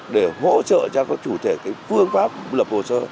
để hỗ trợ cho các chủ thể phương pháp lập hồ sơ